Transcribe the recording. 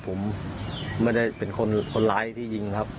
ผมไม่ได้เป็นคนร้ายที่ยิงครับ